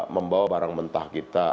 membawa barang mentah kita